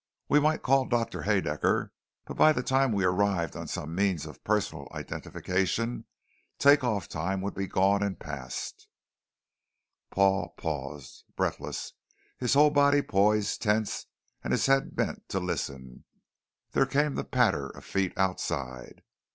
We might call Doctor Haedaecker, but by the time we arrived on some means of personal identification, take off time would be gone and past." Paul paused, breathless, his whole body poised tense and his head bent to listen. There came the patter of feet outside.